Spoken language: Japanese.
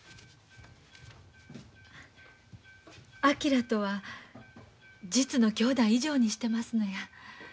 昭とは実の兄弟以上にしてますのや。